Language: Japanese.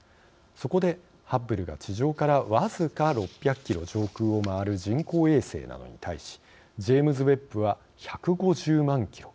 そこでハッブルが地上から僅か６００キロ上空を回る人工衛星なのに対しジェームズ・ウェッブは１５０万キロ。